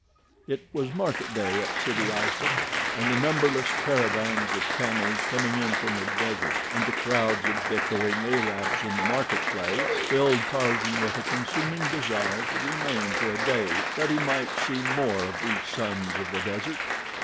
It was market day at Sidi Aissa, and the numberless caravans of camels coming in from the desert, and the crowds of bickering Arabs in the market place, filled Tarzan with a consuming desire to remain for a day that he might see more of these sons of the desert.